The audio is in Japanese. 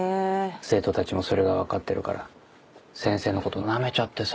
生徒たちもそれが分かってるから先生のことナメちゃってさ。